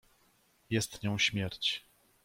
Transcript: "Jest nią śmierć."